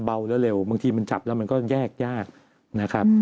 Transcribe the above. เบาแล้วเร็วบางทีมันจับแล้วมันก็แยกยากนะครับ